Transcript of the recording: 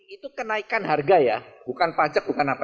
itu kenaikan harga ya bukan pajak bukan apa